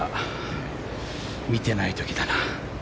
見てない時だな。